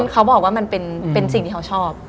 เขาบอกว่ามันเป็นสิ่งที่เขาชอบ